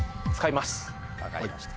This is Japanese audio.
分かりました。